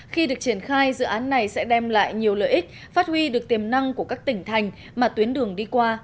khi được triển khai dự án này sẽ đem lại nhiều lợi ích phát huy được tiềm năng của các tỉnh thành mà tuyến đường đi qua